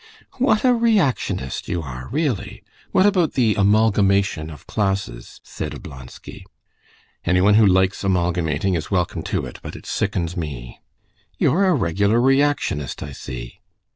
"What a reactionist you are, really! What about the amalgamation of classes?" said Oblonsky. "Anyone who likes amalgamating is welcome to it, but it sickens me." "You're a regular reactionist, I see."